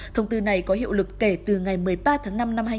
thông tư này có hiệu lực kể từ ngày một mươi ba tháng năm năm hai nghìn hai mươi